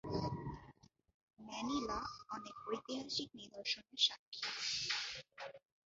Manila অনেক ঐতিহাসিক নিদর্শনের সাক্ষী।